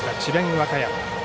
和歌山。